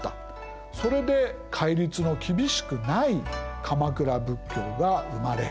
それで戒律の厳しくない鎌倉仏教が生まれ広まった。